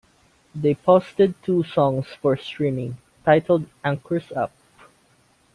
They posted two songs for streaming, titled Anchors Up!